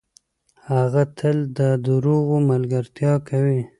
هغه تل ده دروغو ملګرتیا کوي .